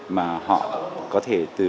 mà họ có thể từ các địa phương